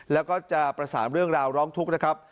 แล้วก็จะประสานเรื่องราวร้องทุกข์นะครับ